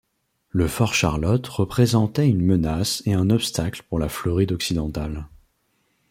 Le fort Charlotte représentait une menace et un obstacle pour la Floride occidentale.